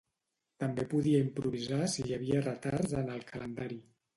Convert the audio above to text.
També podia improvisar si hi havia retards en el calendari.